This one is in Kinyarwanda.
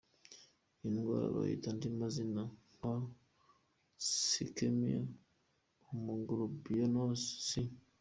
Iyi ndwara bayita andi mazina nka sicklémie, hémoglobinose S.